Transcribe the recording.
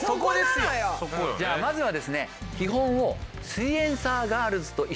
じゃあまずはですねなるほど！